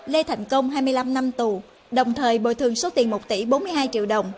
lê thành công hai mươi năm năm tù đồng thời bồi thường số tiền một tỷ bốn mươi hai triệu đồng